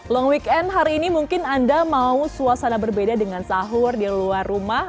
long weekend hari ini mungkin anda mau suasana berbeda dengan sahur di luar rumah